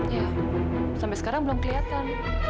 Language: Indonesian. ya sampai sekarang belum kelihatan